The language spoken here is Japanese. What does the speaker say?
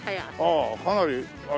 ああかなりあれですね。